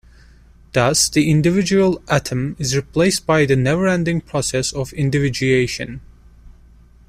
Thus the individual atom is replaced by the neverending process of individuation.